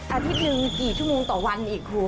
อาทิตย์หนึ่งกี่ชั่วโมงต่อวันอีกครู